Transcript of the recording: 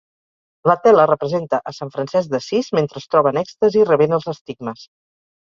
La tela representa a Sant Francesc d'Assís mentre es troba en èxtasi rebent els estigmes.